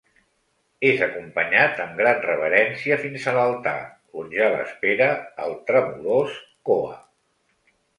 És acompanyat amb gran reverència fins a l'altar, on ja l'espera el tremolós Koa.